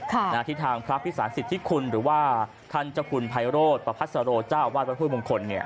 ที่ทางพระพิสาธิตที่คุณหรือว่าท่านเจ้าคุณไพโรธประพัทธาโรเจ้าวาดวัตถุมงคล